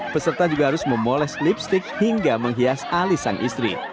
peserta juga harus memoles lipstick hingga menghias alis sang istri